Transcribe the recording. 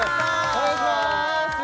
お願いします